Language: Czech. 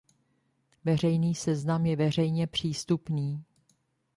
Veřejný seznam je veřejně přístupný.